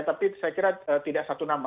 tapi saya kira tidak satu nama